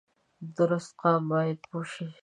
درست قام باید پوه شي